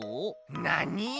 なに？